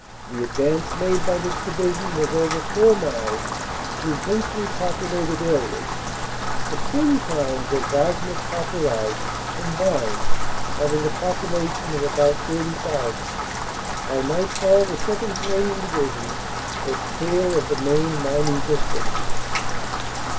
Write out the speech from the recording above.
The advance made by this Division was over four miles through densely populated areas, the twin towns of Wasmes Paturages combined having a population of about 30,000. By nightfall the 2nd. Canadian Division was clear of the main mining district.